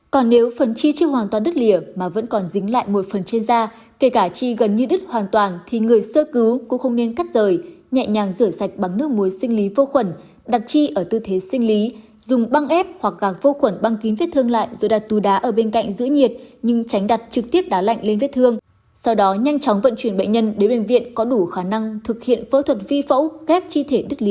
còn nếu phần chi chưa hoàn toàn đứt lìa mà vẫn còn dính lại một phần trên da kể cả chi gần như đứt hoàn toàn thì người sơ cứu cũng không nên cắt rời nhẹ nhàng rửa sạch bằng nước muối sinh lý vô quẩn đặt chi ở tư thế sinh lý dùng băng ép hoặc gạc vô quẩn băng kín vết thương lại rồi đặt tù đá ở bên cạnh giữ nhiệt nhưng tránh đặt trực tiếp đá lạnh lên vết thương sau đó nhanh chóng vận chuyển bệnh nhân đến bệnh viện có đủ khả năng thực hiện phẫu thuật vi phẫu ghép chi thể đứt lìa